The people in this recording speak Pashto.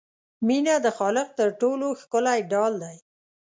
مینه د خالق تر ټولو ښکلی ډال دی.